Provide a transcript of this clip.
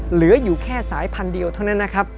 เหลืออยู่แค่สายพันธุ์เดียวเท่านั้นนะครับ